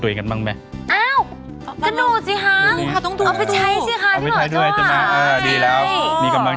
ตัวอีกนั้นบ้างไหมงั้นผมศีลถูกเอาไปใช้ด้วยถือว่าดีแล้วมีกำวง